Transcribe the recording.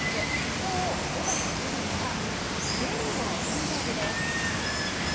今日５月１５日はＪリーグの誕生日です。